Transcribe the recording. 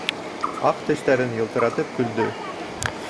Аҡ тештәрен йылтыратып көлдө: